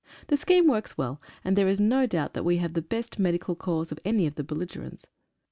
The scheme works well, and there is no doubt that we have the best medical corps of any of the belligrents.